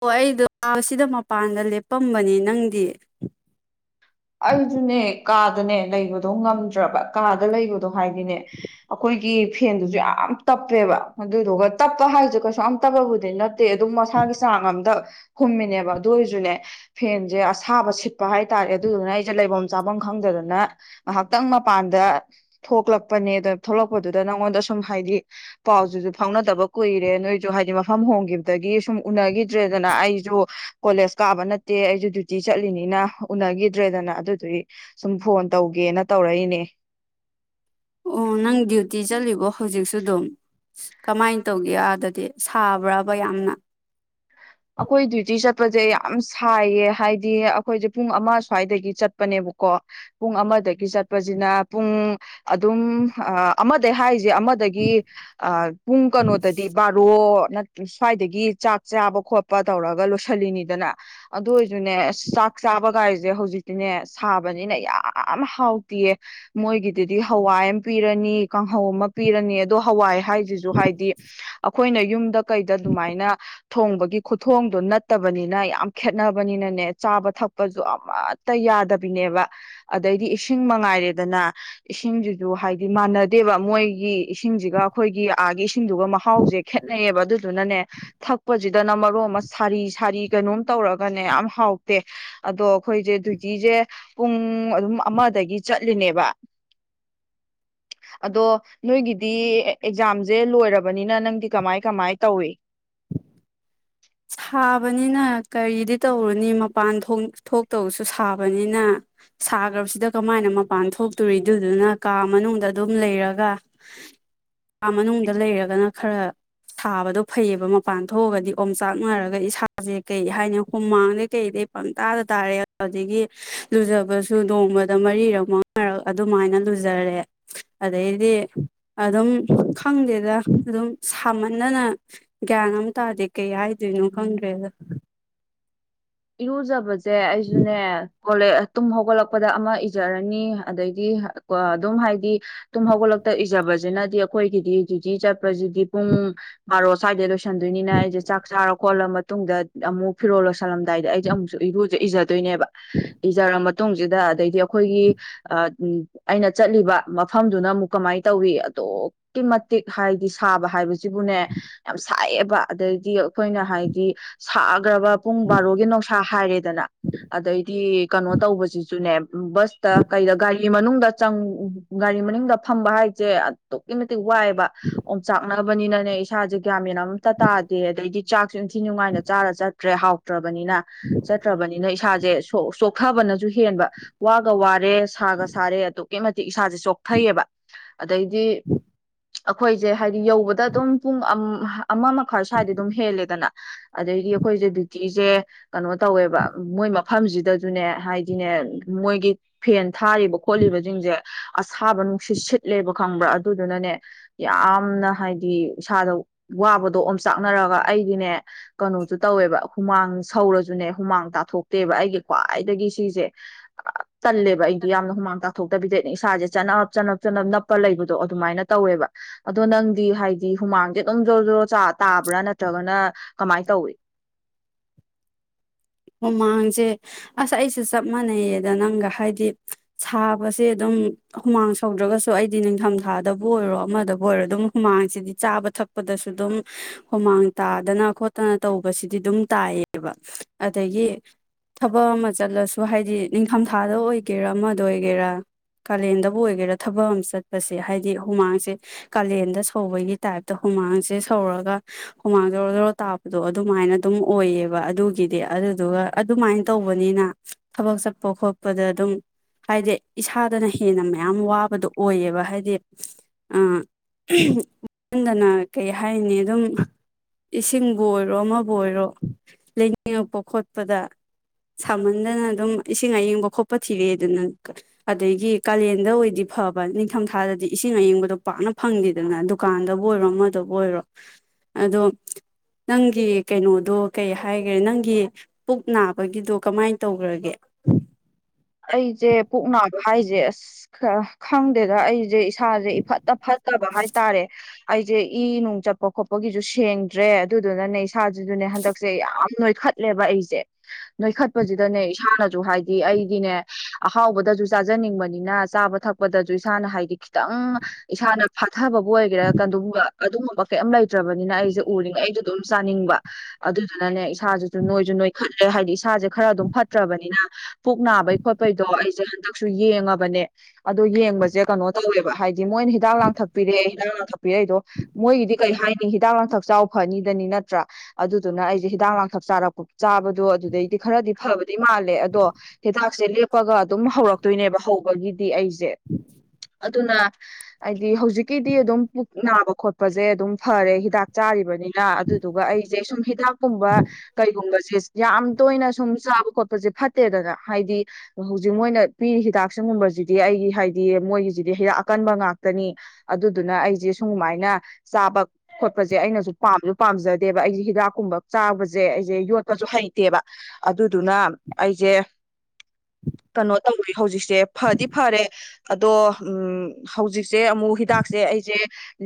ꯑꯣ ꯑꯩꯗꯣ ꯁꯤꯗ ꯃꯄꯥꯟꯗ ꯂꯦꯞꯄꯝꯕꯅꯦ ꯅꯪꯗꯤ ꯑꯩꯖꯨꯅꯦ ꯀꯥꯗꯅꯦ ꯂꯩꯕꯗꯣ ꯉꯝꯗ꯭ꯔꯕ ꯀꯥꯗ ꯂꯩꯕꯗꯣ ꯍꯥꯏꯗꯤꯅꯦ ꯑꯈꯣꯏꯒꯤ ꯐꯦꯟꯗꯨꯁꯨ ꯌꯥꯝ ꯇꯞꯄꯦꯕ ꯑꯗꯨꯗꯨꯒ ꯇꯞꯄ ꯍꯥꯏꯁꯨ ꯀꯩꯁꯨ ꯌꯥꯝ ꯇꯞꯄꯕꯨꯗꯤ ꯅꯠ ꯇꯦ ꯑꯗꯨꯝ ꯃꯁꯥꯒꯤ ꯆꯥꯡ ꯑꯝꯗ ꯍꯨꯝꯃꯤꯅꯦꯕ ꯑꯗꯨ ꯑꯣꯏꯔꯁꯨꯅꯦ ꯐꯦꯟꯁꯦ ꯑꯁꯥꯕ ꯁꯤꯠꯄ ꯍꯥꯏꯇꯥꯔꯦ ꯑꯗꯨꯗꯨꯅ ꯑꯩꯁꯨꯦ ꯂꯩꯐꯝ ꯆꯥꯐꯝ ꯈꯪꯗꯗꯅ ꯉꯥꯏꯍꯥꯛꯇꯪ ꯃꯄꯥꯟꯗ ꯊꯣꯛꯂꯛꯄꯅꯦ ꯗ ꯊꯣꯛꯂꯛꯄꯗꯨꯗ ꯅꯪꯉꯣꯟꯗ ꯁꯨꯝ ꯍꯥꯏꯗꯤ ꯄꯥꯎꯁꯤꯁꯨ ꯐꯥꯎꯅꯗꯕ ꯀꯨꯏꯔꯦ ꯅꯣꯏꯁꯨ ꯍꯥꯏꯗꯤ ꯃꯐꯝ ꯍꯣꯡꯈꯤꯕꯗꯒꯤ ꯁꯨꯝ ꯎꯅꯈꯤꯗ꯭ꯔꯦꯗꯅ ꯑꯩꯁꯨ ꯀꯣꯂꯦꯖ ꯀꯥꯕ ꯅꯠꯇꯦ ꯑꯩꯁꯨ ꯗ꯭ꯌꯨꯇꯤ ꯆꯠꯂꯤꯅꯤꯅ ꯎꯅꯈꯤ ꯇ꯭ꯔꯦꯗꯅ ꯑꯗꯨꯗꯨꯏ ꯁꯨꯝ ꯐꯣꯟ ꯇꯧꯒꯦꯅ ꯇꯧꯔꯛꯏꯅꯦ ꯑꯣ ꯅꯪ ꯗ꯭ꯌꯨꯇꯤ ꯆꯠꯂꯤꯕꯣ ꯍꯧꯖꯤꯛꯁꯨ ꯗꯨꯝ ꯀꯃꯥꯏꯅ ꯇꯧꯒꯦ ꯑꯗꯗꯤ ꯁꯥꯕ꯭ꯔꯕ ꯌꯥꯝꯅ꯫ ꯑꯈꯣꯏ ꯗ꯭ꯌꯨꯇꯤ ꯆꯠ ꯆꯠꯄꯁꯦ ꯌꯥꯝ ꯁꯥꯏꯌꯦ ꯍꯥꯏꯗꯤ ꯑꯩꯈꯣꯏꯁꯦ ꯄꯨꯡ ꯑꯃ ꯁ꯭ꯋꯥꯏꯗꯒꯤ ꯆꯠꯄꯅꯦꯕꯀꯣ ꯄꯨꯡ ꯑꯃꯗꯒꯤ ꯆꯠꯄꯁꯤꯅ ꯄꯨꯡ ꯑꯗꯨꯝ ꯑꯃꯗꯒꯤ ꯍꯥꯏꯁꯤ ꯁꯦ ꯑꯃꯗꯒꯤ ꯄꯨꯡ ꯀꯩꯅꯣꯗꯗꯤ ꯕꯥꯔꯣ ꯅꯠꯇ꯭ꯔ ꯁ꯭ꯋꯥꯏꯗꯒꯤ ꯆꯥꯛ ꯆꯥꯕ ꯈꯣꯠꯄ ꯑꯄ ꯇꯧꯔꯒ ꯂꯣꯏꯁꯤꯜꯂꯤꯅꯤꯗꯅ ꯑꯗꯨ ꯑꯣꯏꯔꯁꯨꯅꯦ ꯑꯁ ꯆꯥꯛ ꯆꯥꯕꯒꯥꯏꯁꯦ ꯍꯧꯖꯤꯛꯇꯤꯅꯦ ꯁꯥꯕꯅꯤꯅ ꯌꯥꯝ ꯍꯥꯎꯇꯦꯌꯦ ꯃꯣꯏꯒꯤꯗꯨꯗꯤ ꯍꯋꯥꯏ ꯑꯃ ꯄꯤꯔꯅꯤ ꯀꯥꯡꯍꯧ ꯑꯃ ꯄꯤꯔꯅꯤ ꯑꯣ ꯍꯋꯥꯏ ꯍꯥꯏꯁꯤꯁꯨ ꯍꯥꯏꯗꯤ ꯑꯩꯈꯣꯏꯅ ꯌꯨꯝꯗ ꯀꯩꯗ ꯑꯗꯨꯃꯥꯏꯅ ꯊꯣꯡꯕꯒꯤ ꯈꯨꯊꯣꯡꯗꯣ ꯅꯠꯇꯕꯅꯤꯅ ꯌꯥꯝ ꯈꯦꯠꯅꯕꯅꯤꯅꯅꯦ ꯆꯥꯕ ꯊꯛꯄꯁꯨ ꯑꯃꯠꯇ ꯌꯥꯗꯕꯤꯅꯦꯕ ꯑꯗꯩꯗꯤ ꯏꯁꯤꯡ ꯃꯉꯥꯏꯔꯦꯗꯅ ꯏꯁꯤꯡꯁꯤꯁꯨ ꯍꯥꯏꯗꯤ ꯃꯥꯟꯅꯗꯦꯕ ꯃꯣꯏꯒꯤ ꯏꯁꯤꯡꯁꯤꯒ ꯑꯩꯈꯣꯏꯒꯤ ꯑꯥꯒꯤ ꯏꯁꯤꯡꯗꯨꯒ ꯃꯍꯥꯎꯁꯦ ꯈꯦꯠꯅꯩꯌꯦꯕ ꯑꯗꯨꯗꯨꯅꯅꯦ ꯊꯛꯄꯁꯤꯗꯅ ꯣ ꯑꯃ ꯁꯥꯔꯤ ꯁꯥꯔꯤ ꯀꯩꯅꯣꯝ ꯇꯧꯔꯒꯅꯦ ꯌꯥꯝ ꯍꯥꯎꯇꯦ ꯑꯗꯣ ꯑꯩꯈꯣꯏꯁꯦ ꯗ꯭ꯌꯨꯇꯤꯁꯦ ꯄꯨꯡ ꯑꯗꯨꯝ ꯑꯃꯗꯒꯤ ꯆꯠꯂꯤꯅꯦꯕ ꯑꯗꯣ ꯅꯣꯏꯒꯤꯗꯤ ꯑꯦꯛꯖꯥꯝꯁꯦ ꯂꯣꯏꯔꯕꯅꯤꯅ ꯅꯪꯗꯤ ꯀꯃꯥꯏ ꯀꯃꯥꯏ ꯇꯧꯏ ꯁꯥꯕꯅꯤꯅ ꯀꯔꯤꯗꯤ ꯇꯧꯔꯨꯅꯤ ꯃꯄꯥꯟ ꯊꯣꯛꯇꯕꯁꯨ ꯁꯥꯕꯅꯤꯅ ꯁꯥꯈ꯭ꯔꯕꯁꯤꯗ ꯀꯃꯥꯏꯅ ꯃꯄꯥꯟ ꯊꯣꯛꯇꯣꯔꯤꯗꯨꯗꯨꯅ ꯀꯥ ꯃꯅꯨꯡꯗ ꯑꯗꯨꯝ ꯂꯩꯔꯒ ꯀꯥ ꯃꯅꯨꯡꯗ ꯂꯩꯔꯒꯅ ꯈꯔ ꯁꯥꯕꯗꯣ ꯐꯩꯑꯕ ꯃꯄꯥꯟ ꯊꯣꯛꯑꯒꯗꯤ ꯑꯣꯝ ꯆꯥꯛꯅꯔꯒ ꯏꯁꯥꯁꯦ ꯀꯩ ꯍꯥꯏꯅꯤ ꯍꯨꯃꯥꯡꯗꯩ ꯀꯩꯗꯩ ꯄꯪꯇꯥꯗ ꯇꯥꯔꯦ ꯑꯗꯨꯗꯒꯤ ꯂꯨꯖꯕꯁꯨ ꯅꯣꯡꯃꯗ ꯃꯔꯤꯔꯛ ꯃꯉꯥꯔꯛ ꯑꯗꯨꯃꯥꯏꯅ ꯂꯨꯖꯔꯦ ꯑꯗꯩꯗꯤ ꯑꯗꯨꯝ ꯈꯪꯗꯦꯗ ꯑꯗꯨꯝ ꯁꯥꯃꯟꯗꯅ ꯒ꯭ꯌꯥꯟ ꯑꯃ ꯇꯥꯗꯦ ꯀꯩ ꯍꯥꯏ ꯑꯗꯨꯩꯅꯣ ꯈꯪꯗ꯭ꯔꯦꯗ ꯏꯔꯨꯖꯕꯥ ꯁꯦ ꯑꯩꯁꯨꯅꯦ ꯍꯧꯒꯂ ꯇꯨꯝ ꯍꯧꯒꯠꯂꯛꯄꯗ ꯑꯃ ꯏꯖꯔꯅꯤ ꯑꯗꯩꯗꯤ ꯑꯗꯨꯝ ꯍꯥꯏꯗꯤ ꯇꯨꯝ ꯍꯧꯒꯠꯂꯛꯇ ꯏꯖꯕꯁꯤꯅꯗꯤ ꯑꯩꯈꯣꯏꯒꯤꯗꯤ ꯗ꯭ꯌꯨꯇꯤ ꯆꯠ ꯗꯤ ꯄꯨꯡ ꯕꯥꯔꯣ ꯁꯥꯏꯗꯩꯩ ꯆꯟꯗꯣꯏꯅꯤꯅ ꯑꯩꯁꯦ ꯆꯥꯛ ꯆꯥꯔ ꯀꯣꯜꯂ ꯃꯇꯨꯡꯗ ꯑꯃꯨꯛ ꯐꯤꯔꯣꯜ ꯂꯣꯏꯁꯜꯂꯝ ꯗꯥꯏꯗ ꯑꯩꯁꯤ ꯑꯃꯨꯛꯁꯨ ꯏꯔꯨ ꯏꯖꯗꯣꯏꯅꯦꯕ ꯏꯖꯔꯕ ꯃꯇꯨꯡꯁꯤꯗ ꯑꯗꯩꯗꯤ ꯑꯩꯈꯣꯏꯒꯤ ꯎ ꯑꯩꯅ ꯆꯠꯂꯤꯕ ꯃꯐꯝꯗꯨꯅ ꯑꯃꯨꯛ ꯀꯃꯥꯏꯅ ꯇꯧꯋꯤ ꯑꯗꯨꯛꯀꯤ ꯃꯇꯤꯛ ꯍꯥꯏꯗꯤ ꯁꯥꯕ ꯍꯥꯏꯕꯁꯤꯕꯨꯅꯦ ꯌꯥꯝ ꯁꯥꯏꯌꯦꯕ ꯑꯗꯩꯗꯤ ꯑꯩꯈꯣꯏꯅ ꯍꯥꯏꯗꯤ ꯁꯥꯈ꯭ꯔꯕ ꯄꯨꯡ ꯕꯥꯔꯣꯒꯤ ꯅ__ ꯁꯥ ꯍꯥꯏꯔꯦꯗꯅ ꯑꯗꯩꯗꯤ ꯀꯩꯅꯣ ꯇꯧꯕꯁꯤꯁꯨꯅꯦ ꯕꯁꯇ ꯀꯩꯗ ꯒꯥꯔꯤ ꯃꯅꯨꯡꯗ ꯒꯥꯔꯤ ꯃꯅꯨꯡꯗ ꯐꯝꯕ ꯍꯥꯏꯁꯦ ꯑꯗꯨꯛꯀꯤ ꯃꯇꯤꯛ ꯋꯥꯏꯑꯦꯕ ꯑꯣꯝ ꯆꯥꯛꯅꯕꯅꯤꯅꯅꯦ ꯏꯁꯥꯁꯦ ꯒ꯭ꯌꯥꯟꯃꯦꯟ ꯑꯝꯇ ꯇꯥꯗꯦ ꯑꯗꯩꯗꯤ ꯆꯥꯛꯁꯨ ꯏꯟꯊꯤ ꯅꯨꯡꯉꯥꯏꯅ ꯆꯥꯔ ꯆꯠꯇ꯭ꯔꯦ ꯍꯥꯎ__ ꯅꯤꯅꯥ ꯆꯠꯇ꯭ꯔꯕꯅꯤꯅ ꯏꯁꯥꯁꯦ ꯁꯣꯛ ꯐꯕꯅꯁꯨ ꯍꯦꯟꯕ ꯋꯥꯒ ꯋꯥꯔꯦ ꯁꯥꯒ ꯁꯔꯦ ꯑꯗꯨ ꯑꯗꯨꯛꯀꯤ ꯃꯇꯤꯛ ꯏꯁꯥꯁꯦ ꯆꯣꯛꯊꯥꯌꯦꯕ ꯑꯗꯩꯗꯤ ꯑꯩꯈꯣꯏꯁꯦ ꯍꯥꯏꯗꯤ ꯌꯧꯕꯗ ꯑꯗꯨꯝ ꯄꯨꯡ ꯑꯃ ꯃꯈꯥꯏ ꯁ꯭ꯋꯥꯏꯗ ꯑꯗꯨꯝ ꯍꯦꯜꯂꯦꯗꯅ ꯑꯗꯥꯒꯤ ꯑꯩꯈꯣꯏꯁꯦ ꯗꯨ ꯇꯤꯁꯦ ꯀꯩꯅꯣ ꯇꯧꯋꯦꯕ ꯃꯣꯏ ꯃꯐꯝꯁꯤꯗꯁꯨꯅꯦ ꯍꯥꯏꯗꯤꯅꯦ ꯃꯣꯏꯒꯤ ꯐꯦꯟ ꯊꯥꯔꯤꯕ ꯈꯣꯠꯂꯤꯕꯁꯤꯡꯁꯦ ꯑꯁꯥꯕ ꯅꯨꯡꯁꯤꯠ ꯁꯤꯠꯂꯦꯕ ꯈꯪꯕ꯭ꯔꯥ ꯑꯗꯨꯗꯨꯅꯅꯦ ꯌꯥꯝꯅ ꯍꯥꯏꯗꯤ ꯏꯁꯥꯗ ꯋꯥꯕꯗꯣ ꯑꯣꯝ ꯆꯥꯛꯅꯔꯒ ꯑꯩꯗꯤꯅꯦ ꯀꯩꯅꯣꯁꯨ ꯇꯧꯋꯦꯕ ꯍꯨꯃꯥꯡ ꯁꯧꯔꯁꯨꯅꯦ ꯍꯨꯃꯥꯡ ꯇꯥꯊꯣꯛꯇꯦꯕ ꯑꯩꯒꯤ ꯈ꯭ꯋꯥꯏꯗꯒꯤ ꯁꯤꯁꯦ ꯇꯜꯂꯦꯕ ꯑꯩꯗꯤ ꯌꯥꯝꯅ ꯍꯨꯃꯥꯡ ꯇꯥꯛꯊꯣꯛꯇꯕꯤꯗꯩ ꯏꯁꯥꯁꯦ ꯆꯠꯅꯞ ꯆꯅꯞ ꯆꯅꯞ ꯅꯞꯄ ꯂꯩꯕꯗꯣ ꯑꯗꯨꯃꯥꯏꯅ ꯇꯧꯋꯦꯕ ꯑꯗꯣ ꯅꯪꯗꯤ ꯍꯥꯏꯗꯤ ꯍꯨꯃꯥꯡꯁꯦ ꯑꯗꯨꯝ ꯖꯣꯔꯣ ꯖꯣꯔꯣ ꯆꯥ ꯇꯥꯕ꯭ꯔꯥ ꯅꯠꯇ꯭ꯔꯒꯅ ꯀꯃꯥꯏ ꯇꯧꯋꯏ ꯍꯨꯃꯥꯡꯁꯦ ꯑꯁ ꯑꯩꯁꯨ ꯆꯞ ꯃꯅꯩꯌꯦꯗ ꯅꯪꯒ ꯍꯥꯏꯗꯤ ꯁꯥꯕꯁꯦ ꯑꯗꯨꯝ ꯍꯨꯃꯥꯡ ꯁꯧꯗ꯭ꯔꯒꯁꯨ ꯑꯩꯗꯤ ꯅꯤꯡꯊꯝꯊꯥꯗꯕꯨ ꯑꯣꯏꯔꯣ ꯑꯃꯗꯕꯨ ꯑꯣꯏꯔꯣ ꯑꯗꯨꯝ ꯍꯨꯃꯥꯡꯁꯤꯗꯤ ꯆꯥꯕ ꯊꯛꯄꯗꯁꯨ ꯑꯗꯨꯝ ꯍꯨꯃꯥꯡ ꯇꯥꯗꯅ ꯈꯣꯠꯇꯅ ꯇꯧꯕꯁꯤꯗꯤ ꯑꯗꯨꯝ ꯇꯥꯏꯌꯦꯕ ꯑꯗꯒꯤ ꯊꯕꯛ ꯑꯃ ꯆꯠꯂꯁꯨ ꯍꯥꯏꯗꯤ ꯅꯤꯡꯊꯝꯊꯥꯗ ꯑꯣꯏꯒꯦꯔꯥ ꯑꯃꯗ ꯑꯣꯏꯒꯦꯔꯥ ꯀꯥꯂꯦꯟꯗꯕꯨ ꯑꯣꯏꯒꯦꯔꯥ ꯊꯕꯛ ꯑꯃ ꯆꯠꯄꯁꯦ ꯍꯥꯏꯗꯤ ꯍꯨꯃꯥꯡꯁꯦ ꯀꯥꯂꯦꯟꯗ ꯁꯧꯕꯒꯤ ꯇꯥꯏꯞꯇ ꯍꯨꯃꯥꯡꯁꯦ ꯁꯧꯔꯒ ꯍꯨꯃꯥꯡ ꯖꯔꯣ ꯖꯔꯣ ꯇꯕꯗꯣ ꯑꯗꯨꯃꯥꯏꯅ ꯑꯗꯨꯝ ꯑꯣꯏꯌꯦꯕ ꯑꯗꯨ ꯒꯤꯗꯤ ꯑꯗꯨꯗꯨꯒ ꯑꯗꯨꯃꯥꯏꯅ ꯇꯧꯕꯅꯤꯅ ꯊꯕꯛ ꯆꯠꯄ ꯈꯣꯠꯄꯗ ꯑꯗꯨꯝ ꯍꯥꯏꯗꯤ ꯏꯁꯥꯗꯅ ꯍꯦꯟꯅ ꯃꯌꯥꯝ ꯋꯥꯕꯗꯣ ꯑꯣꯏꯌꯦꯕ ꯍꯥꯏꯗꯤ ꯌꯨꯝꯗꯅ ꯀꯩ ꯍꯥꯏꯅꯤ ꯑꯗꯨꯝ ꯏꯁꯤꯡꯕꯨ ꯑꯣꯏꯔꯣ ꯑꯃꯕꯨ ꯑꯣꯏꯔꯣ ꯌꯦꯉꯛꯄ ꯈꯣꯠꯄꯗ ꯁꯥꯍꯟꯗꯅ ꯑꯗꯨꯝ ꯏꯁꯤꯡ ꯑꯌꯡꯕ ꯈꯣꯠꯄ ꯊꯤꯔꯛꯑꯦꯗꯅ ꯑꯗꯒꯤ ꯀꯥꯂꯦꯟꯗ ꯑꯣꯏꯗꯤ ꯐꯕ ꯅꯤꯡꯊꯝꯊꯥꯗꯗꯤ ꯏꯁꯤꯡ ꯑꯌꯤꯡꯕꯗꯣ ꯄꯥꯛꯅ ꯐꯪꯗꯦꯗꯅ ꯗꯨꯀꯥꯟꯗꯕꯨ ꯑꯣꯏꯔꯣ ꯑꯃꯗꯕꯨ ꯑꯣꯏꯔꯣ ꯑꯗꯣ ꯅꯪꯒꯤ ꯀꯩꯅꯣꯗꯣ ꯀꯩ ꯍꯥꯏ ꯅꯪꯒꯤ ꯄꯨꯛ ꯅꯥꯕꯒꯤꯗꯣ ꯀꯃꯥꯏ ꯇꯧꯒꯔꯒꯦ ꯑꯩꯁꯦ ꯄꯨꯣꯛꯅꯕ ꯍꯥꯏꯁꯦ ꯑꯁ ꯈꯪꯗꯦꯗ ꯑꯩꯁꯦ ꯁꯥꯁꯦ ꯏꯐꯠꯇ ꯐꯠꯇꯕ ꯍꯥꯏꯇꯥꯔꯦ ꯑꯩꯁꯦ ꯏ ꯅꯨꯡ ꯆꯠꯄ ꯈꯣꯠꯄꯒꯤꯁꯨ ꯁꯦꯡꯗ꯭ꯔꯦ ꯑꯗꯨꯗꯨꯅꯅꯦ ꯏꯁꯥꯁꯤꯖꯨꯅꯦ ꯍꯟꯗꯛꯁꯦ ꯌꯥꯝ ꯅꯣꯏꯈꯠꯂꯦꯕ ꯑꯩꯁꯦ ꯅꯣꯏꯈꯠꯄꯁꯤꯗꯅꯦ ꯏꯁꯥꯅ ꯍꯥꯏꯗꯤ ꯑꯩ ꯑꯍꯥꯎꯕꯗꯁꯨ ꯆꯥꯖꯅꯤꯡꯕꯅꯤꯅ ꯆꯥꯕ ꯊꯛꯄꯗꯁꯨ ꯏꯁꯥꯅ ꯍꯥꯏꯗꯤ ꯈꯤꯇꯪ ꯏꯁꯥꯅ ꯊꯕꯕꯨ ꯑꯣꯏꯒꯦꯔꯥ [unintelligible] ꯀꯥꯌꯦꯝ ꯂꯩꯇ꯭ꯔꯕꯅꯤꯅ ꯑꯩꯁꯦ ꯎꯔꯤꯉꯩ ꯑꯩꯗꯣ ꯑꯗꯨꯝ ꯆꯥꯅꯤꯡꯕ ꯑꯗꯨꯗꯨꯅꯅꯦ ꯁꯥꯥꯖꯖꯤꯖꯨ ꯅꯣꯏꯁꯨ ꯅꯣꯏꯈꯠ ꯍꯥꯏꯗꯤ ꯏꯁꯥꯖ ꯈꯔ ꯑꯗꯨꯝ ꯐꯠꯇ꯭ꯔꯕꯅꯤꯅ ꯄꯨꯛ ꯅꯥꯕꯩ ꯈꯣꯠꯄꯩꯗꯣ ꯑꯩꯁꯦ ꯍꯟꯗꯛꯁꯨ ꯌꯦꯡꯉꯕꯅꯦ ꯑꯗꯣ ꯌꯦꯡꯕꯁꯦ ꯀꯩꯅꯣ ꯇꯧꯋꯦꯕ ꯍꯥꯏꯗꯤ ꯃꯣꯏꯅ ꯍꯤꯗꯥꯛ ꯂꯥꯡꯊꯛꯄꯤꯔꯛꯑꯦ ꯍꯤꯗꯥꯛ ꯂꯥꯡꯊꯛ ꯄꯤꯔꯛꯏꯗꯣ ꯃꯣꯏꯒꯤꯗꯤ ꯀꯩ ꯍꯥꯏ ꯍꯤꯗꯥꯛ ꯂꯥꯡꯊꯛ ꯆꯥꯎ ꯐꯅꯤꯗꯅꯤ ꯅꯠꯇ꯭ꯔꯥ ꯑꯗꯨꯗꯨꯅ ꯑꯩꯁꯦ ꯍꯤꯗꯥꯛ ꯂꯥꯡꯊꯛ ꯆꯥꯔꯛꯄ ꯆꯥꯕꯗꯣ ꯑꯗꯨꯗꯩꯗꯤ ꯈꯔꯗꯤ ꯐꯕꯗꯤ ꯃꯥꯜꯂꯦ ꯑꯗꯣ ꯍꯤꯗꯥꯛꯁꯦ ꯂꯦꯞꯄꯒ ꯑꯗꯨꯝ ꯍꯧꯔꯛꯇꯣꯏꯅꯦꯕ ꯍꯧꯕꯒꯤ ꯗꯤ ꯑꯩꯁꯦ ꯑꯗꯨꯅ ꯍꯥꯏꯗꯤ ꯍꯧꯖꯤꯛꯀꯤꯗꯤ ꯑꯗꯨꯝ ꯄꯨꯛ ꯅꯥꯕ ꯈꯣꯠꯄꯁꯦ ꯑꯗꯨꯝ ꯐꯔꯦ ꯍꯤꯗꯥꯛ ꯆꯥꯔꯤꯕꯅꯤ ꯑꯗꯨꯗꯨꯒ ꯑꯩꯁꯦ ꯁꯨꯝ ꯍꯤꯗꯥꯛꯀꯨꯝꯕ ꯀꯩꯒꯨꯝꯕꯁꯦ ꯌꯥꯝ ꯇꯣꯏꯅ ꯁꯨꯝ ꯆꯥꯕ ꯈꯣꯠꯄꯁꯦ ꯐꯠꯇꯦꯗꯅ ꯍꯥꯏꯗꯤ ꯍꯧꯖꯤꯛ ꯃꯣꯏꯅ ꯄꯤꯔꯤ ꯍꯤꯗꯥꯛꯁꯤꯡꯒꯨꯝꯕꯁꯤꯗꯤ ꯑꯩꯒꯤ ꯍꯥꯏꯗꯤ ꯃꯣꯏꯒꯤꯁꯤꯗꯤ ꯍꯤꯗꯥꯛ ꯑꯀꯟꯕ ꯉꯥꯛꯇꯅꯤ ꯑꯗꯨꯗꯨꯅ ꯑꯩꯁꯦ ꯁꯨꯃꯥꯏꯅ ꯆꯥꯕ ꯈꯣꯠꯄꯁꯦ ꯑꯩꯅꯁꯨ ꯄꯥꯝꯁꯨ ꯄꯥꯝꯖꯗꯦꯕ ꯑꯩꯁꯦ ꯍꯤꯗꯥꯛꯀꯨꯝꯕ ꯆꯥꯕꯁꯦ ꯑꯩꯁꯦ ꯌꯣꯠꯄꯁꯨ ꯍꯩꯇꯦꯕ ꯑꯗꯨꯗꯨꯅ ꯑꯩꯁꯦ ꯀꯩꯅꯣ ꯇꯧꯗ ꯍꯧꯖꯤꯛꯁꯦ ꯐꯗꯤ ꯐꯔꯦ ꯑꯗꯣ ꯎꯝ ꯍꯧꯖꯤꯛꯁꯦ ꯑꯃꯨꯛ ꯍꯤꯗꯥꯛꯁꯦ ꯑꯩꯁꯦ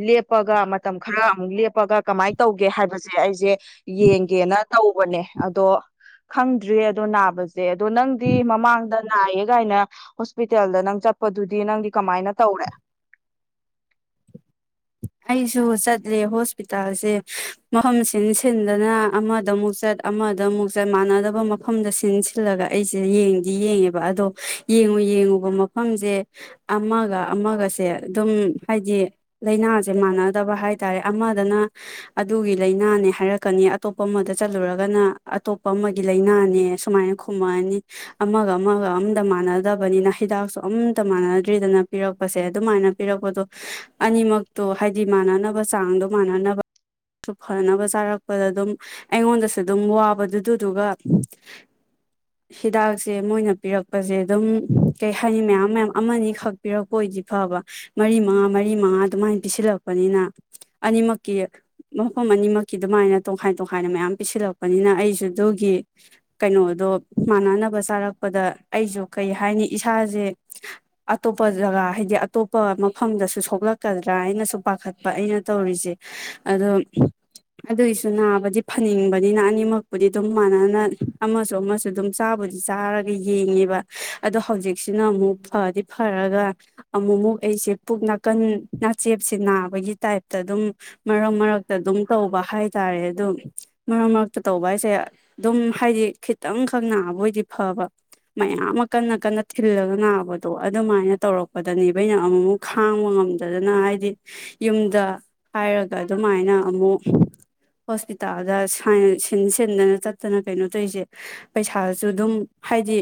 ꯂꯦꯞꯄꯒ ꯃꯇꯝ ꯈꯔ ꯑꯃꯨꯛ ꯂꯦꯞꯄꯒ ꯀꯃꯥꯏꯅ ꯇꯧꯒꯦ ꯍꯥꯏꯕꯁꯦ ꯑꯩꯁꯦ ꯌꯦꯡꯒꯦꯅ ꯇꯧ ꯅꯦ ꯑꯗꯣ ꯈꯪꯗ꯭ꯔꯤ ꯑꯗꯣ ꯅꯥꯕꯁꯦ ꯑꯗꯨ ꯅꯪꯗꯤ ꯃꯃꯥꯡꯗ ꯅꯥꯏꯌꯦ ꯀꯥꯏꯅ ꯍꯣꯁꯄꯤꯇꯥꯜꯗ ꯅꯪ ꯆꯠꯄꯗꯨꯗꯤ ꯅꯪꯗꯤ ꯀꯃꯥꯏꯅ ꯇꯧꯔꯦ ꯑꯩꯁꯨ ꯆꯠꯂꯦ ꯍꯣꯁꯄꯤꯇꯥꯜꯁꯦ ꯃꯐꯝ ꯁꯤ ꯁꯤꯟꯗꯅ ꯑꯃꯗ ꯑꯃꯨꯛ ꯆꯠ ꯑꯃꯗꯃꯨꯛ ꯆꯠ ꯃꯥꯟꯅꯗꯕ ꯃꯐꯝꯗ ꯁꯤꯟ ꯁꯤꯜꯂꯒ ꯑꯩꯁꯦ ꯌꯦꯡꯗꯤ ꯌꯦꯡꯉꯦꯕ ꯑꯗꯣ ꯌꯦꯡꯉꯨ ꯌꯦꯡꯉꯨꯕ ꯃꯐꯝꯁꯦ ꯑꯃꯒ ꯑꯃꯒꯁꯦ ꯑꯗꯨꯝ ꯍꯥꯏꯗꯤ ꯂꯥꯏꯅꯥ ꯁꯦ ꯃꯥꯟꯅꯗꯕ ꯍꯥꯏꯇꯥꯔꯦ ꯑꯃꯗꯅ ꯑꯗꯨꯒꯤ ꯂꯥꯏꯅꯥꯅꯦ ꯍꯥꯏꯔꯛꯀꯅꯤ ꯑꯇꯣꯞꯄ ꯑꯃꯗ ꯆꯠꯂꯨꯔꯒꯅ ꯑꯇꯣꯞꯄ ꯑꯃꯒꯤ ꯂꯩꯅꯥꯅꯦ ꯁꯨꯃꯥꯏꯅ ꯈꯨꯝꯃꯛꯑꯅꯤ ꯑꯃꯒ ꯑꯃꯒ ꯑꯃꯝꯇ ꯃꯥꯟꯅꯗꯕꯅꯤꯅ ꯍꯤꯗꯥꯛꯁꯨ ꯑꯃꯝꯇ ꯃꯥꯟꯅꯗ꯭ꯔꯤꯗꯅ ꯄꯤꯔꯛꯄꯁꯦ ꯑꯗꯨꯃꯥꯏꯅ ꯄꯤꯔꯛꯄꯗꯣ ꯑꯅꯤꯃꯛ ꯇꯣ ꯍꯥꯏꯗꯤ ꯃꯥꯟꯅꯅꯕ ꯆꯥꯡꯗꯣ ꯃꯥꯟꯅꯅꯕꯁꯨ ꯐꯅꯕ ꯆꯥꯔꯛꯄꯗ ꯑꯗꯨꯝ ꯑꯩꯉꯣꯟꯗꯁꯨ ꯑꯗꯨꯝ ꯋꯥꯕꯗꯨꯗꯨꯗꯨꯒ ꯍꯤꯗꯥꯛꯁꯦ ꯃꯣꯏꯅ ꯄꯤꯔꯛꯄꯁꯦ ꯑꯗꯨꯝ ꯀꯩ ꯍꯥꯏꯅꯤ ꯃꯌꯥꯝ ꯃꯌꯥꯝ ꯑꯃꯅꯤꯈꯛ ꯄꯤꯔꯛꯄ ꯑꯣꯏꯗꯤ ꯐꯕ ꯃꯔꯤ ꯃꯉꯥ ꯃꯔꯤ ꯃꯉꯥ ꯑꯗꯨꯃꯥꯏꯅ ꯄꯤꯁꯤꯜꯂꯛꯄꯅꯤꯅ ꯑꯅꯤꯃꯛꯀꯤ ꯃꯐꯝ ꯑꯅꯤꯃꯛꯀꯤ ꯑꯗꯨꯃꯥꯏꯅ ꯇꯣꯈꯥꯏ ꯇꯣꯈꯥꯏꯅ ꯃꯌꯥꯝ ꯄꯤꯁꯤꯜꯂꯛꯄꯅꯤꯅ ꯑꯩꯁꯨ ꯑꯗꯨꯒꯤ ꯀꯩꯅꯣꯗꯣ ꯃꯥꯟꯅꯅꯕ ꯆꯥꯔꯛꯄꯗ ꯑꯩꯁꯨ ꯀꯩ ꯍꯥꯏꯅꯤ ꯏꯁꯥꯁꯦ ꯑꯇꯣꯞꯄ ꯖꯒꯥ ꯍꯥꯏꯗꯤ ꯑꯇꯣꯞꯄ ꯃꯐꯝꯗꯁꯨ ꯁꯣꯛꯂꯛꯀꯗ ꯠꯇ꯭ꯔꯥ ꯑꯩꯅꯁꯨ ꯄꯥꯈꯠꯄ ꯑꯩꯅ ꯇꯧꯔꯤꯁꯦ ꯑꯗꯣ ꯑꯗꯨꯒꯤꯁꯨ ꯅꯥꯕꯗꯤ ꯐꯅꯤꯡꯕꯅꯤꯅ ꯑꯅꯤꯃꯛꯄꯨꯗꯤ ꯑꯗꯨꯝ ꯃꯥꯟꯅꯅ ꯑꯃꯁꯨ ꯑꯃꯁꯨ ꯑꯗꯨꯝ ꯆꯥꯕꯨꯗꯤ ꯆꯥꯔꯒ ꯌꯦꯡꯉꯦꯕ ꯑꯗꯣ ꯍꯧꯖꯤꯛꯁꯤꯅ ꯑꯃꯨꯛ ꯐꯗꯤ ꯐꯔꯒ ꯑꯃꯨꯛꯃꯨꯛ ꯑꯩꯁꯦ ꯄꯨꯛ ꯅꯥꯀꯟ ꯅꯥꯆꯦꯞꯁꯤ ꯅꯥꯕꯒꯤ ꯇꯥꯏꯞꯇ ꯑꯗꯨꯝ ꯃꯔꯛ ꯃꯔꯛꯇ ꯑꯗꯨꯝ ꯇꯧꯕ ꯍꯥꯏꯇꯥꯔꯦ ꯑꯗꯨꯗꯣ ꯃꯔꯛ ꯃꯔꯛꯇ ꯇꯧꯕ ꯍꯥꯏꯁꯦ ꯑꯗꯨꯝ ꯍꯥꯏꯗꯤ ꯈꯤꯇꯪꯈꯛ ꯅꯥꯕꯣꯏꯗꯤ ꯐꯕ ꯃꯌꯥꯝ ꯑꯃ ꯀꯟꯅ ꯀꯟꯅ ꯊꯤꯜꯂꯒ ꯅꯥꯕꯗꯣ ꯑꯗꯨꯃꯥꯏꯅ ꯇꯧꯔꯛꯄꯗꯅꯦꯕꯩꯅ ꯑꯃꯨꯛꯃꯨꯛ ꯈꯥꯡꯕ ꯉꯝꯗ ꯑꯗꯨꯗꯅ ꯍꯥꯏꯗꯤ ꯌꯨꯝꯗ ꯍꯥꯏꯔꯒ ꯑꯗꯨꯃꯥꯏꯅ ꯑꯃꯨꯛ ꯍꯣꯁꯄꯤꯇꯥꯜꯗ ꯁꯤꯟ ꯁꯤꯟꯗꯅ ꯆꯠꯇꯅ ꯀꯩꯅꯣ ꯇꯧꯔꯤꯁꯦ ꯄꯩꯁꯥꯁꯨ ꯑꯗꯨꯝ ꯍꯥꯏꯗꯤ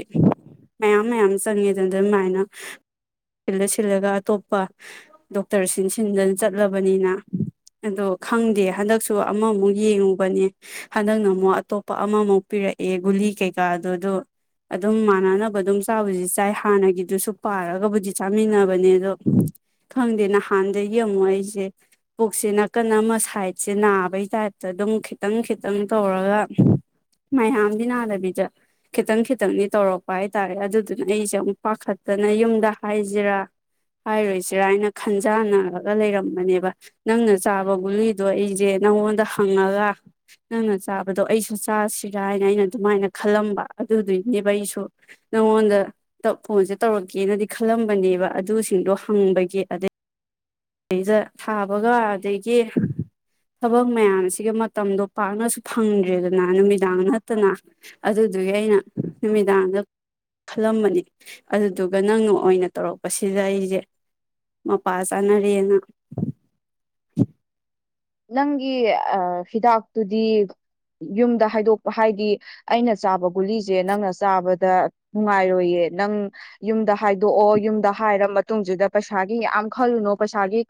ꯃꯌꯥꯝ ꯃꯌꯥꯝ ꯆꯪꯉꯦꯗꯅ ꯑꯗꯨꯃꯥꯏꯅ ꯐꯤꯜꯗ ꯁꯤꯜꯂꯒ ꯑꯇꯣꯞꯄ ꯗꯣꯛꯇꯔ ꯁꯤꯟ ꯁꯤꯟꯗꯅ ꯆꯠꯂꯕꯅꯤꯅ ꯑꯗꯣ ꯈꯪꯗꯦ ꯍꯟꯗꯛꯁꯨ ꯑꯃꯃꯨꯛ ꯌꯦꯡꯉꯨꯕꯅꯦ ꯍꯟꯗꯛꯅ ꯑꯃꯨꯛ ꯑꯇꯣꯞꯄ ꯑꯃꯃꯨꯛ ꯄꯤꯔꯛꯑꯦ ꯒꯨꯂꯤ ꯀꯩꯀꯥꯗꯗꯣ ꯑꯗꯨꯝ ꯃꯥꯟꯅꯅꯕ ꯑꯗꯨꯝ ꯆꯥꯗꯤ ꯆꯥꯏ ꯍꯥꯟꯅꯒꯤꯗꯨꯁꯨ ꯄꯥꯔꯒꯕꯨꯗꯤ ꯆꯥꯃꯤꯟꯅꯕꯅꯦ ꯑꯗꯣ ꯈꯪꯗꯦ ꯅꯍꯥꯟꯗꯒꯤ ꯑꯃꯨꯛ ꯑꯩꯁꯦ ꯄꯨꯛꯁꯦ ꯅꯥꯀꯟ ꯑꯃ ꯁꯥꯏꯠꯁꯦ ꯅꯥꯕꯒꯤ ꯇꯥꯏꯞꯇ ꯑꯗꯨꯝ ꯈꯤꯇꯪ ꯈꯤꯇꯪ ꯇꯧꯔꯒ ꯃꯌꯥꯝꯗꯤ ꯅꯥꯗꯕꯤꯗ ꯈꯤꯇꯪ ꯈꯤꯇꯪꯗꯤ ꯇꯧꯔꯛꯄ ꯍꯥꯏꯇꯥꯔꯦ ꯑꯗꯨꯗꯨꯅ ꯑꯩꯁꯦ ꯑꯃꯨꯛ ꯄꯥꯈꯠꯇꯅ ꯌꯨꯝꯗ ꯍꯥꯏꯁꯤꯔꯥ ꯍꯥꯏꯔꯣꯏꯁꯤ [unintelligible] ꯍꯥꯏꯅ ꯈꯟꯖꯥꯟꯅꯔꯒ ꯂꯩꯔꯝꯕꯅꯦꯕ ꯅꯪꯅ ꯆꯥꯕ ꯒꯨꯂꯤꯗꯣ ꯑꯩꯖꯦ ꯅꯪꯉꯣꯟꯗ ꯍꯪꯉꯒ ꯅꯪꯅ ꯆꯥꯕꯗꯣ ꯑꯩꯁꯨ ꯆꯥꯁꯤꯔꯥ ꯍꯥꯏꯅ ꯑꯩꯅ ꯑꯗꯨꯃꯥꯏꯅ ꯈꯜꯂꯝꯕ ꯑꯗꯨꯗꯨꯒꯤꯅꯦꯕ ꯑꯩꯁꯨ ꯅꯪꯉꯣꯟꯗ ꯐꯣꯟꯖꯦ ꯇꯧꯔꯛꯀꯦꯅꯗꯤ ꯈꯜꯂꯝꯕꯅꯦꯕ ꯑꯗꯨꯁꯤꯡꯗꯣ ꯍꯪꯕꯩ꯫ [unintelligible] [unintelligible] ꯊꯥꯕꯒ ꯑꯗꯒꯤ ꯊꯕꯛ ꯃꯌꯥꯝꯁꯤꯒ ꯃꯇꯝꯗꯣ ꯄꯥꯛꯅꯁꯨ ꯐꯪꯗ꯭ꯔꯦꯗꯅ ꯅꯨꯃꯤꯗꯥꯡ ꯅꯠꯇꯅ ꯑꯗꯨꯗꯨꯒꯤ ꯑꯩꯅ ꯅꯨꯃꯤꯗꯥꯡꯗ ꯈꯜꯂꯝꯕꯅꯤ ꯑꯗꯨꯗꯨꯒ ꯅꯪꯅ ꯑꯣꯏꯅ ꯇꯧꯔꯛꯄꯁꯤꯗ ꯑꯩꯁꯦ ꯃꯄꯥ ꯆꯥꯅꯔ [unintelligible] ꯅꯪꯒꯤ ꯍꯤꯗꯥꯛꯇꯨꯗꯤ ꯌꯨꯝꯗ ꯍꯥꯏꯗꯣꯛꯄ ꯍꯥꯏꯗꯤ ꯑꯩꯅ ꯆꯥꯕ ꯒꯨꯂꯤꯁꯦ ꯅꯪꯅ ꯆꯥꯕꯗ ꯅꯨꯡꯉꯥꯏꯔꯣꯏꯌꯦ ꯅꯪ ꯌꯨꯝꯗ ꯍꯥꯏꯗꯣꯛꯑꯣ ꯌꯨꯝꯗ ꯍꯥꯏꯔ ꯃꯇꯨꯡꯁꯤꯗ ꯄꯩꯁꯥꯒꯤ ꯌꯥꯝ ꯈꯜꯂꯨꯅꯨ ꯄꯩꯁꯥꯒꯤ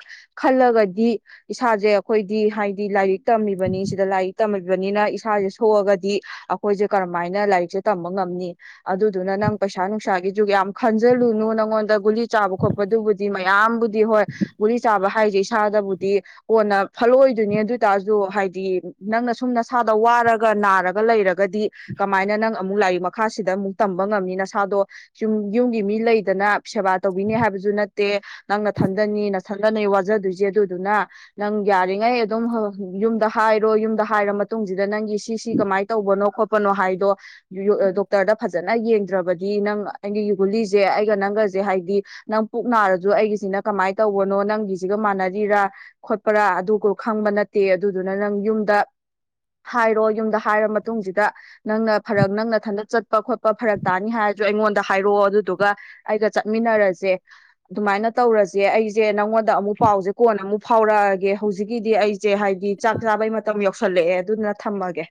ꯈꯜꯂꯒꯗꯤ ꯏꯁꯥꯁꯦ ꯑꯩꯈꯣꯏꯗꯤ ꯍꯥꯏꯗꯤ ꯂꯥꯏꯔꯤꯛ ꯇꯝꯃꯤꯕꯅꯤ ꯁꯤꯗ ꯂꯥꯏꯛ ꯇꯝ ꯏꯕꯅꯤꯅ ꯏꯁꯥꯁꯦ ꯁꯣꯛꯑꯒꯗꯤ ꯑꯩꯈꯣꯏꯁꯦ ꯀꯔꯝꯃꯥꯏꯅ ꯂꯥꯏꯔꯤꯛꯁꯦ ꯇꯝꯕ ꯉꯝꯅꯤ ꯑꯗꯨꯗꯨꯅ ꯅꯪ ꯄꯩꯁꯥ ꯅꯨꯡꯁꯥꯒꯤꯁꯨ ꯌꯥꯝ ꯈꯟꯖꯜꯂꯨꯅꯨ ꯅꯪꯉꯣꯟꯗ ꯒꯨꯂꯤ ꯆꯥꯕ ꯈꯣꯠꯄꯗꯨꯕꯨꯗꯤ ꯃꯌꯥꯝꯕꯨꯗꯤ ꯍꯣꯏ ꯒꯨꯂꯤ ꯆꯥꯕ ꯍꯥꯏꯁꯦ ꯏꯁꯥꯗꯕꯨꯗꯤ ꯀꯣꯟꯅ ꯐꯜꯂꯛꯑꯣꯏꯗꯨꯣꯏꯅꯦ ꯑꯗꯨ ꯑꯣꯏꯇꯥꯔꯁꯨ ꯍꯥꯏꯗꯤ ꯅꯪꯅ ꯁꯨꯝ ꯅꯁꯥꯗ ꯋꯥꯔꯒ ꯅꯥꯔꯒ ꯂꯩꯔꯒ ꯒꯗꯤ ꯀꯃꯥꯏꯅ ꯅꯪ ꯑꯃꯨꯛ ꯂꯥꯏꯔꯤꯛ ꯃꯈꯥꯁꯤꯗ ꯑꯃꯨꯛ ꯇꯝꯕ ꯉꯝꯃꯤ ꯅꯁꯥꯗꯣ ꯌꯨꯝ ꯌꯨꯝꯒꯤ ꯃꯤ ꯂꯩꯗꯅ ꯁꯦꯕꯥ ꯇꯧꯕꯤꯅꯤ ꯍꯥꯏꯕꯁꯨ ꯅꯠꯇꯦ ꯅꯪꯅ ꯊꯟꯗꯅꯤ ꯁꯪꯗꯅꯩ ꯋꯥꯖꯗꯣꯏꯁꯦ ꯑꯗꯨꯗꯨꯅ ꯅꯪ ꯌꯥꯔꯤꯉꯩ ꯑꯗꯨꯝ ꯌꯨꯝꯗ ꯍꯥꯏꯔꯣ ꯌꯨꯝꯗ ꯍꯥꯏꯔ ꯃꯇꯨꯡꯁꯤ ꯗ ꯅꯪꯒꯤ ꯁꯤ ꯁꯤ ꯀꯃꯥꯏꯅ ꯇꯧꯕꯅꯣ ꯈꯣꯠꯄ ꯀꯄꯅꯣ ꯍꯥꯏꯗꯣ ꯗꯣꯛꯇꯔꯗ ꯐꯖꯅ ꯌꯦꯡꯗ꯭ꯔꯕꯗꯤ ꯅꯪ ꯑꯩꯒꯤ ꯌꯨꯒꯨꯂꯤꯁꯦ ꯑꯩꯒ ꯅꯪꯒꯁꯦ ꯍꯥꯏꯕꯗꯤ ꯅꯪ ꯄꯨꯛ ꯅꯥꯔꯁꯨ ꯑꯩꯒꯤꯁꯤꯅ ꯀꯃꯥꯏꯅ ꯇꯧꯕꯅꯣ ꯅꯪꯒꯤꯁꯤꯒ ꯃꯥꯟꯅꯔꯤꯔ ꯄꯔꯥ ꯑꯗꯨꯣ ꯈꯪꯕ ꯅꯠꯇꯦ ꯑꯗꯨꯗꯨꯅ ꯅꯪ ꯌꯨꯝꯗ ꯍꯥꯏꯔꯣ ꯌꯨꯝꯗ ꯍꯥꯏꯔ ꯃꯇꯨꯡꯁꯤꯗ ꯅꯪꯅ ꯐꯔꯛ ꯅꯪꯅ ꯊꯟꯗ ꯆꯠꯄ ꯈꯣꯠꯄ ꯐꯔꯛ ꯇꯥꯅꯤ ꯍꯥꯏꯔꯁꯨ ꯑꯩꯉꯣꯟꯗ ꯍꯥꯏꯔꯛꯑꯣ ꯑꯗꯨꯗꯨꯒ ꯑꯩꯒ ꯆꯠꯃꯤꯟꯅꯔꯁꯦ ꯑꯗꯨꯃꯥꯏꯅ ꯇꯧꯔꯁꯦ ꯑꯩꯁꯦ ꯅꯪꯉꯣꯟꯗ ꯑꯃꯨꯛ ꯄꯥꯎꯁꯦ ꯀꯣꯟꯅ ꯑꯃꯨꯛ ꯐꯥꯎꯔꯛꯑꯒ ꯍꯧꯖꯤꯛꯀꯤꯗꯤ ꯑꯩꯁꯦ ꯍꯥꯏꯕꯗꯤ ꯆꯥꯛ ꯆꯥꯕꯩ ꯃꯇꯝ ꯌꯧꯁꯜꯂꯛꯑꯦ ꯑꯗꯨꯅ ꯊꯝꯃꯒꯦ